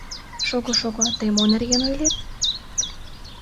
Шого-шого, тый мо нерген ойлет?